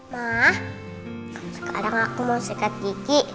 ma sekarang aku mau sikat gigi